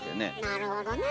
なるほどね。